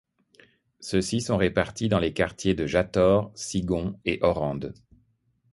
Ceux-ci sont répartis dans les quartiers de Jator, Sigon et Orande.